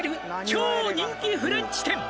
「超人気フレンチ店」